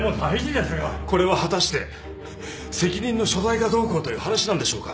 これは果たして責任の所在がどうこうという話なんでしょうか？